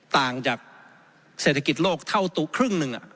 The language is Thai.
ต่างจากเศรษฐกิจโลกเท่าตัวครึ่งหนึ่ง